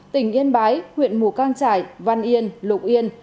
tỉnh yên bái huyện mùa cang trải văn yên lục yên